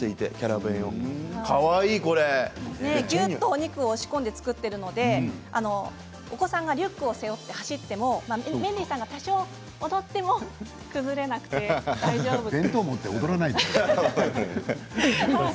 ぎゅっとお肉を押し込んで作っているのでお子さんがリュックを背負って走ってもメンディーさんが多少、踊っても崩れなくて大丈夫。